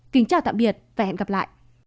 kính chào tạm biệt và hẹn gặp lại